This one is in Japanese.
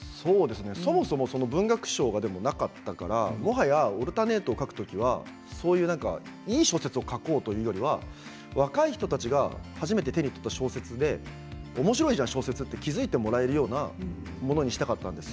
そもそも文学賞がなかったからもはや「オルタネート」を書く時はいい小説を書こうというよりは若い人たちが初めて手に取った小説でおもしろいじゃん小説と気付いてもらえるようなものにしたかったんです。